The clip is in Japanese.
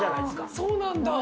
そうなんだ。